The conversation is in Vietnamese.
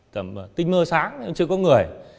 tình mơ sáng nhưng chưa có người